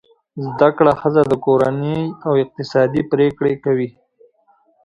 زده کړه ښځه د کورنۍ اقتصادي پریکړې کوي.